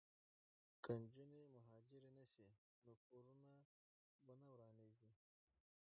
که نجونې مهاجرې نه شي نو کورونه به نه ورانیږي.